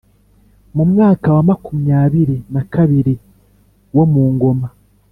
Mumwaka wa makumyabiri nakabiri wo mungoma